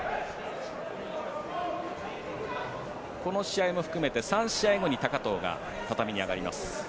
この試合も含めて３試合後に高藤が畳に上がります。